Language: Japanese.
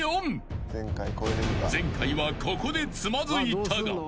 ［前回はここでつまずいたが］